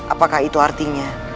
apakah itu artinya